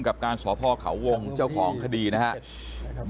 กับการสอบพอขาวงอยู่ชาวของคดีนะครับ